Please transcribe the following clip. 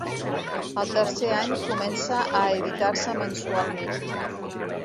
El tercer any comença a editar-se mensualment.